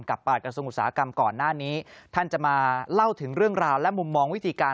กับปรากฎสงสากรรมก่อนหน้านี้ท่านจะมาเล่าถึงเรื่องราวและมุมมองวิธีการ